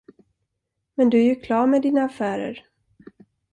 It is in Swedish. Men du är ju klar med dina affärer.